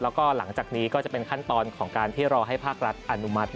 แล้วก็หลังจากนี้ก็จะเป็นขั้นตอนของการที่รอให้ภาครัฐอนุมัติ